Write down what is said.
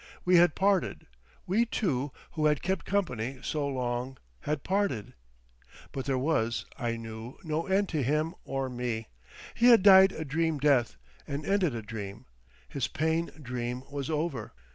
We had parted; we two who had kept company so long had parted. But there was, I knew, no end to him or me. He had died a dream death, and ended a dream; his pain dream was over.